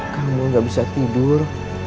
kamu gak bisa tidur